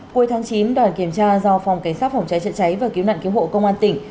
cuối tháng chín đoàn kiểm tra do phòng cảnh sát phòng trái trễ trái và cứu nạn cứu hộ công an tỉnh